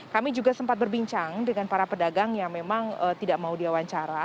kami juga sempat berbincang dengan para pedagang yang memang tidak mau diwawancara